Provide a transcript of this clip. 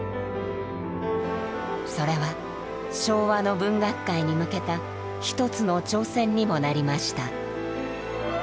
それは昭和の文学界に向けたひとつの挑戦にもなりました。